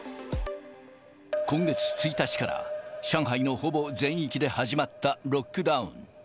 今月１日から、上海のほぼ全域で始まったロックダウン。